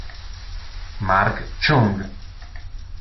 Mark Chung